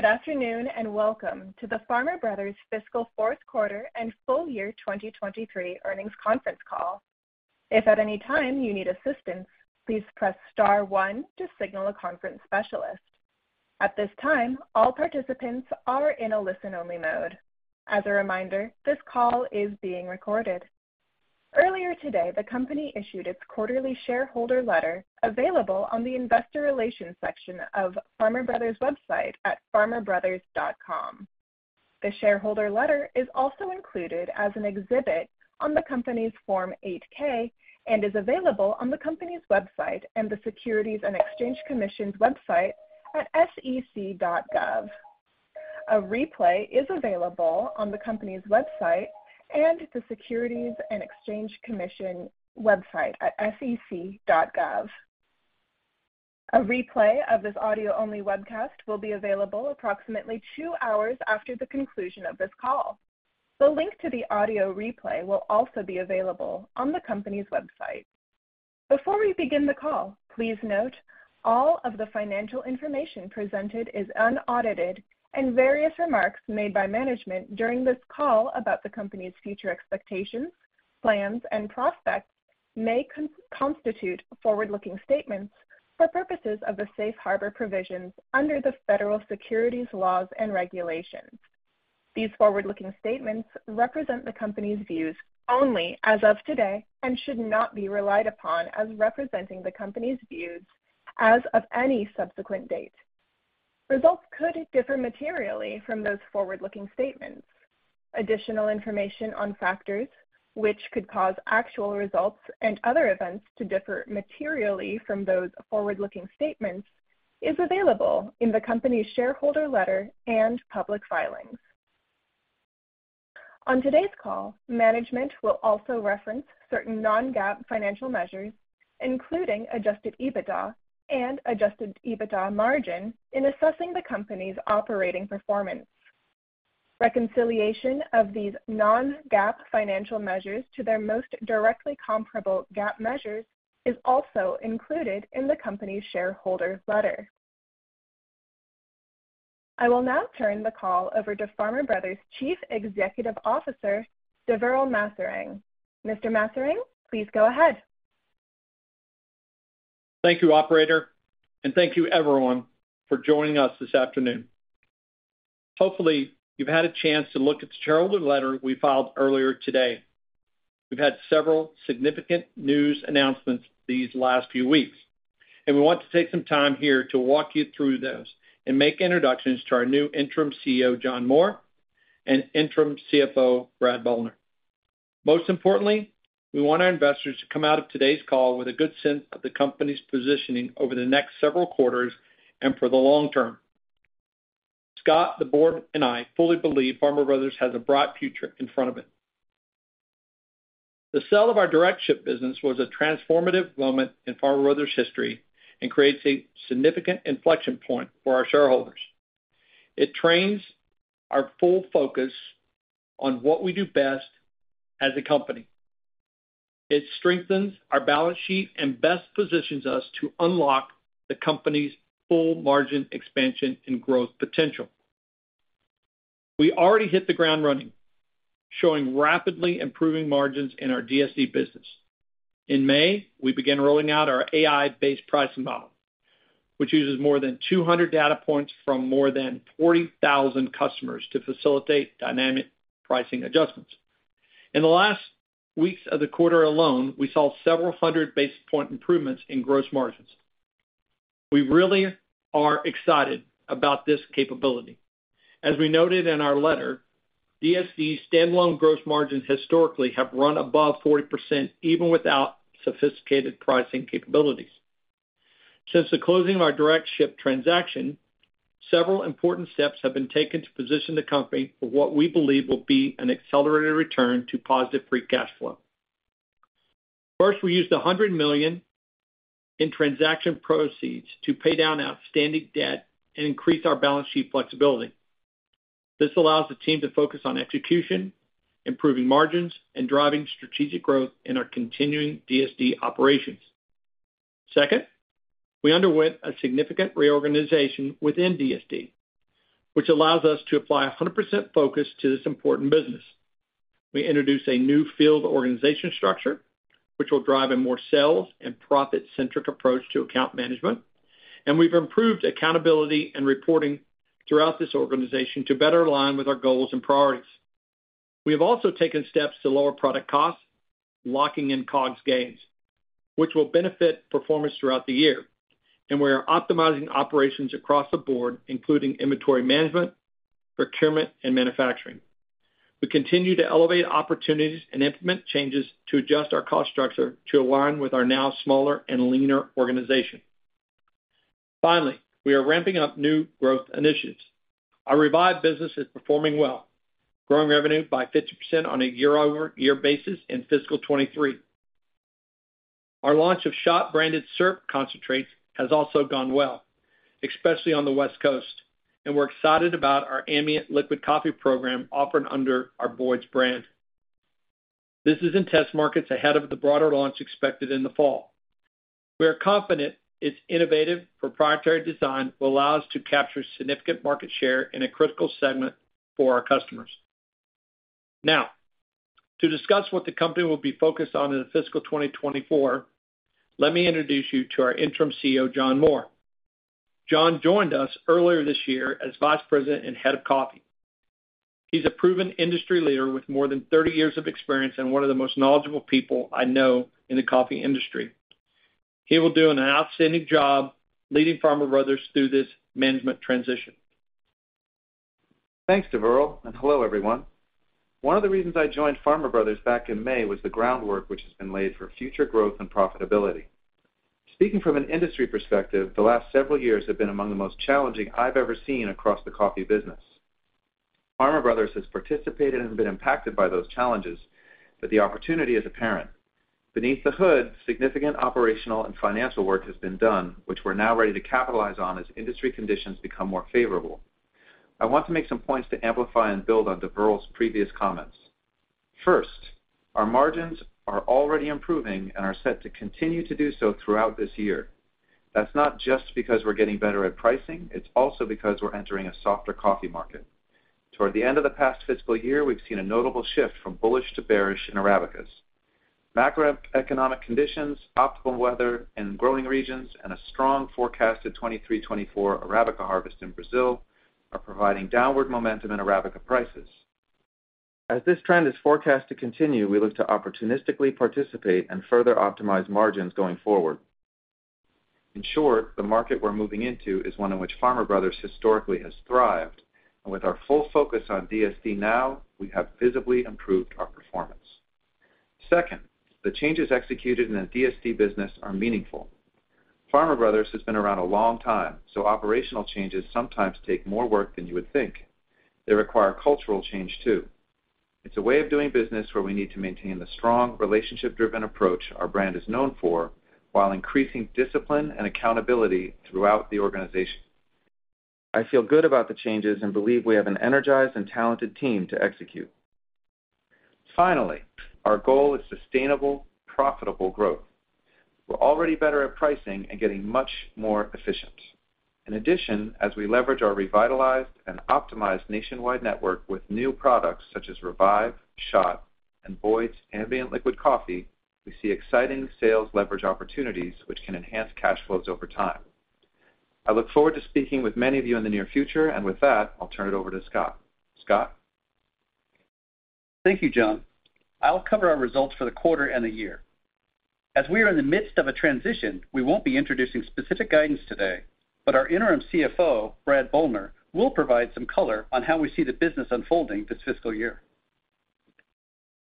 Hello, good afternoon, and welcome to the Farmer Brothers fiscal fourth quarter and full year 2023 earnings conference call. If at any time you need assistance, please press star one to signal a conference specialist. At this time, all participants are in a listen-only mode. As a reminder, this call is being recorded. Earlier today, the company issued its quarterly shareholder letter, available on the investor relations section of Farmer Brothers' website at farmerbrothers.com. The shareholder letter is also included as an exhibit on the company's Form 8-K and is available on the company's website and the Securities and Exchange Commission's website at sec.gov. A replay is available on the company's website and the Securities and Exchange Commission website at sec.gov. A replay of this audio-only webcast will be available approximately two hours after the conclusion of this call. The link to the audio replay will also be available on the company's website. Before we begin the call, please note all of the financial information presented is unaudited, and various remarks made by management during this call about the company's future expectations, plans and prospects may constitute forward-looking statements for purposes of the safe harbor provisions under the Federal Securities Laws and Regulations. These forward-looking statements represent the company's views only as of today and should not be relied upon as representing the company's views as of any subsequent date. Results could differ materially from those forward-looking statements. Additional information on factors which could cause actual results and other events to differ materially from those forward-looking statements is available in the company's shareholder letter and public filings. On today's call, management will also reference certain non-GAAP financial measures, including Adjusted EBITDA and Adjusted EBITDA margin in assessing the company's operating performance. Reconciliation of these non-GAAP financial measures to their most directly comparable GAAP measures is also included in the company's shareholder letter. I will now turn the call over to Farmer Brothers' Chief Executive Officer, Deverl Maserang. Mr. Maserang, please go ahead. Thank you, operator, and thank you everyone for joining us this afternoon. Hopefully, you've had a chance to look at the shareholder letter we filed earlier today. We've had several significant news announcements these last few weeks, and we want to take some time here to walk you through those and make introductions to our new interim CEO, John Moore, and interim CFO, Brad Bollner. Most importantly, we want our investors to come out of today's call with a good sense of the company's positioning over the next several quarters and for the long term. Scott, the board, and I fully believe Farmer Brothers has a bright future in front of it. The sale of Direct Ship business was a transformative moment in Farmer Brothers' history and creates a significant inflection point for our shareholders. It trains our full focus on what we do best as a company. It strengthens our balance sheet and best positions us to unlock the company's full margin expansion and growth potential. We already hit the ground running, showing rapidly improving margins in our DSD business. In May, we began rolling out our AI-based pricing model, which uses more than 200 data points from more than 40,000 customers to facilitate dynamic pricing adjustments. In the last weeks of the quarter alone, we saw several hundred basis point improvements in gross margins. We really are excited about this capability. As we noted in our letter, DSD's standalone gross margins historically have run above 40%, even without sophisticated pricing capabilities. Since the closing of our Direct Ship transaction, several important steps have been taken to position the company for what we believe will be an accelerated return to positive free cash flow. First, we used $100 million in transaction proceeds to pay down outstanding debt and increase our balance sheet flexibility. This allows the team to focus on execution, improving margins and driving strategic growth in our continuing DSD operations. Second, we underwent a significant reorganization within DSD, which allows us to apply 100% focus to this important business. We introduced a new field organization structure, which will drive a more sales and profit-centric approach to account management, and we've improved accountability and reporting throughout this organization to better align with our goals and priorities. We have also taken steps to lower product costs, locking in COGS gains, which will benefit performance throughout the year, and we are optimizing operations across the board, including inventory management, procurement, and manufacturing. We continue to elevate opportunities and implement changes to adjust our cost structure to align with our now smaller and leaner organization. Finally, we are ramping up new growth initiatives. Our revive business is performing well, growing revenue by 50% on a year-over-year basis in fiscal 2023. Our launch of SHOTT-branded syrup concentrates has also gone well, especially on the West Coast, and we're excited about our ambient liquid coffee program offered under our Boyd's brand.... This is in test markets ahead of the broader launch expected in the fall. We are confident its innovative proprietary design will allow us to capture significant market share in a critical segment for our customers. Now, to discuss what the company will be focused on in the fiscal 2024, let me introduce you to our Interim CEO, John Moore. John joined us earlier this year as vice president and head of coffee. He's a proven industry leader with more than 30 years of experience and one of the most knowledgeable people I know in the coffee industry. He will do an outstanding job leading Farmer Brothers through this management transition. Thanks, Deverl, and hello, everyone. One of the reasons I joined Farmer Brothers back in May was the groundwork which has been laid for future growth and profitability. Speaking from an industry perspective, the last several years have been among the most challenging I've ever seen across the coffee business. Farmer Brothers has participated and been impacted by those challenges, but the opportunity is apparent. Beneath the hood, significant operational and financial work has been done, which we're now ready to capitalize on as industry conditions become more favorable. I want to make some points to amplify and build on Deverl's previous comments. First, our margins are already improving and are set to continue to do so throughout this year. That's not just because we're getting better at pricing, it's also because we're entering a softer coffee market. Toward the end of the past fiscal year, we've seen a notable shift from bullish to bearish in Arabica. Macroeconomic conditions, optimal weather in growing regions, and a strong forecasted 2023-2024 Arabica harvest in Brazil are providing downward momentum in Arabica prices. As this trend is forecast to continue, we look to opportunistically participate and further optimize margins going forward. In short, the market we're moving into is one in which Farmer Brothers historically has thrived, and with our full focus on DSD now, we have visibly improved our performance. Second, the changes executed in the DSD business are meaningful. Farmer Brothers has been around a long time, so operational changes sometimes take more work than you would think. They require cultural change, too. It's a way of doing business where we need to maintain the strong, relationship-driven approach our brand is known for, while increasing discipline and accountability throughout the organization. I feel good about the changes and believe we have an energized and talented team to execute. Finally, our goal is sustainable, profitable growth. We're already better at pricing and getting much more efficient. In addition, as we leverage our revitalized and optimized nationwide network with new products such as Revive, SHOTT, and Boyd's Ambient Liquid Coffee, we see exciting sales leverage opportunities, which can enhance cash flows over time. I look forward to speaking with many of you in the near future, and with that, I'll turn it over to Scott. Scott? Thank you, John. I'll cover our results for the quarter and the year. As we are in the midst of a transition, we won't be introducing specific guidance today, but our Interim CFO, Brad Bollner, will provide some color on how we see the business unfolding this fiscal year.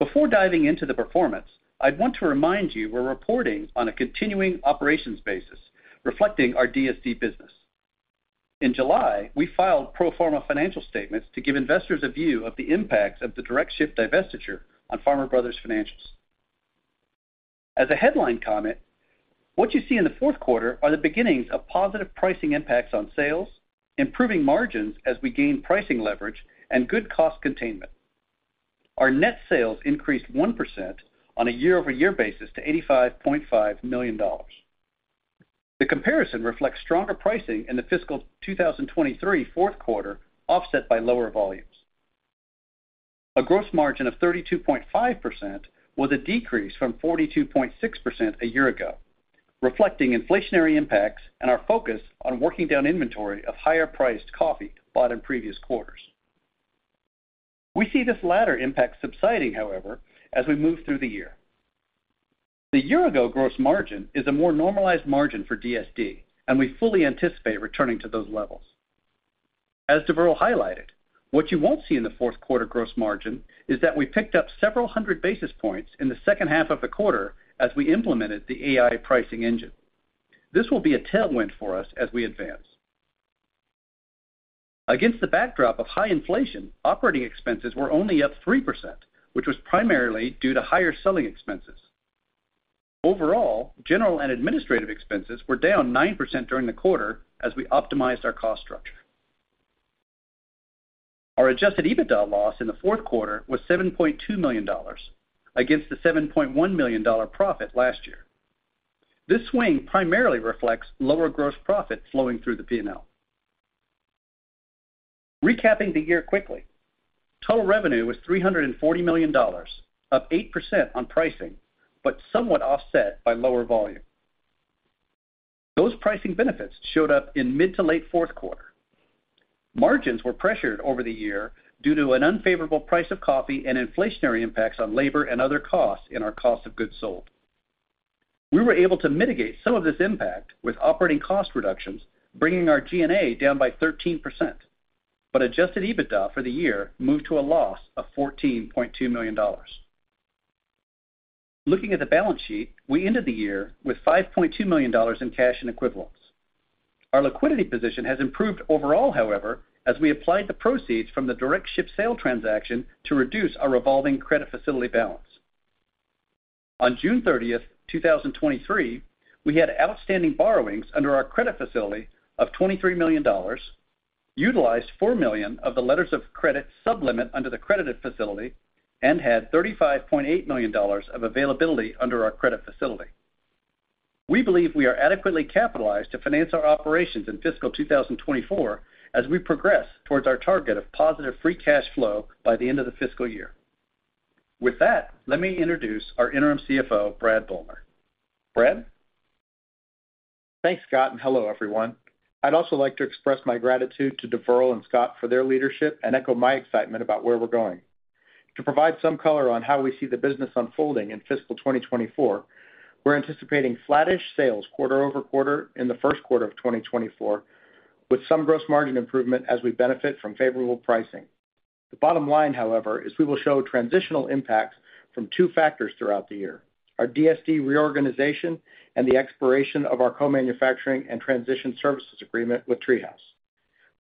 Before diving into the performance, I'd want to remind you we're reporting on a continuing operations basis, reflecting our DSD business. In July, we filed pro forma financial statements to give investors a view of the impacts of the Direct Ship divestiture on Farmer Brothers financials. As a headline comment, what you see in the fourth quarter are the beginnings of positive pricing impacts on sales, improving margins as we gain pricing leverage, and good cost containment. Our net sales increased 1% on a year-over-year basis to $85.5 million. The comparison reflects stronger pricing in the fiscal 2023 fourth quarter, offset by lower volumes. A gross margin of 32.5% was a decrease from 42.6% a year ago, reflecting inflationary impacts and our focus on working down inventory of higher-priced coffee bought in previous quarters. We see this latter impact subsiding, however, as we move through the year. The year-ago gross margin is a more normalized margin for DSD, and we fully anticipate returning to those levels. As Deverl highlighted, what you won't see in the fourth quarter gross margin is that we picked up several hundred basis points in the second half of the quarter as we implemented the AI pricing engine. This will be a tailwind for us as we advance. Against the backdrop of high inflation, operating expenses were only up 3%, which was primarily due to higher selling expenses. Overall, General and Administrative Expenses were down 9% during the quarter as we optimized our cost structure. Our Adjusted EBITDA loss in the fourth quarter was $7.2 million, against the 7.1 million profit last year. This swing primarily reflects lower gross profit flowing through the P&L. Recapping the year quickly. Total revenue was $340 million, up 8% on pricing, but somewhat offset by lower volume. Those pricing benefits showed up in mid to late fourth quarter. Margins were pressured over the year due to an unfavorable price of coffee and inflationary impacts on labor and other costs in our cost of goods sold. We were able to mitigate some of this impact with operating cost reductions, bringing our G&A down by 13%, but Adjusted EBITDA for the year moved to a loss of $14.2 million. Looking at the balance sheet, we ended the year with $5.2 million in cash and equivalents. Our liquidity position has improved overall, however, as we applied the proceeds from the Direct Ship sale transaction to reduce our revolving credit facility balance. On June 30th, 2023, we had outstanding borrowings under our credit facility of $23 million, utilized $4 million of the letters of credit sub-limit under the credit facility, and had $35.8 million of availability under our credit facility. We believe we are adequately capitalized to finance our operations in fiscal 2024, as we progress towards our target of positive free cash flow by the end of the fiscal year. With that, let me introduce our interim CFO, Brad Bollner. Brad? Thanks, Scott, and hello, everyone. I'd also like to express my gratitude to Deverl and Scott for their leadership, and echo my excitement about where we're going. To provide some color on how we see the business unfolding in fiscal 2024, we're anticipating flattish sales quarter-over-quarter in the first quarter of 2024, with some gross margin improvement as we benefit from favorable pricing. The bottom line, however, is we will show transitional impacts from two factors throughout the year: our DSD reorganization and the expiration of our co-manufacturing and transition services agreement with TreeHouse.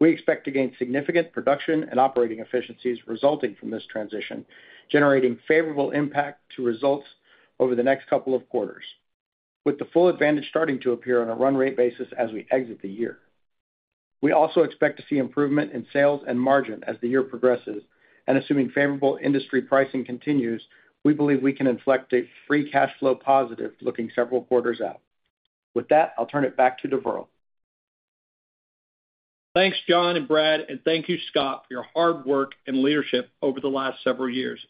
We expect to gain significant production and operating efficiencies resulting from this transition, generating favorable impact to results over the next couple of quarters, with the full advantage starting to appear on a run rate basis as we exit the year. We also expect to see improvement in sales and margin as the year progresses. Assuming favorable industry pricing continues, we believe we can inflect a free cash flow positive, looking several quarters out. With that, I'll turn it back to Deverl. Thanks, John and Brad, and thank you, Scott, for your hard work and leadership over the last several years.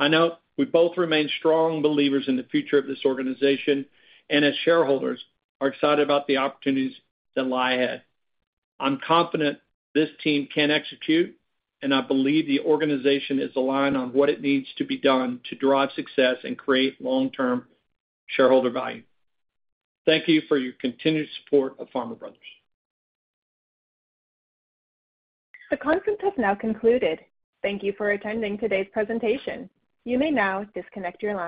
I know we both remain strong believers in the future of this organization, and as shareholders, are excited about the opportunities that lie ahead. I'm confident this team can execute, and I believe the organization is aligned on what it needs to be done to drive success and create long-term shareholder value. Thank you for your continued support of Farmer Brothers. The conference has now concluded. Thank you for attending today's presentation. You may now disconnect your line.